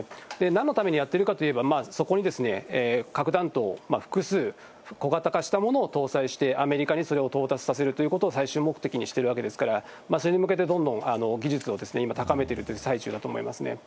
なんのためにやっているかといえば、そこに核弾頭、複数、小型化したものを搭載してアメリカにそれを到達させるということを最終目的にしているわけですから、それに向けてどんどん、技術を今高めている最中だと思いますね。